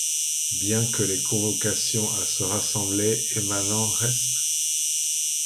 Bien que les convocations à se rassembler, émanant resp.